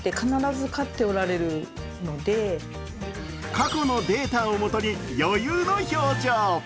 過去のデータをもとに余裕の表情。